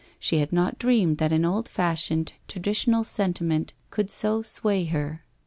She had not dreamed that an old fashioned traditional Bentimeni could so sway her.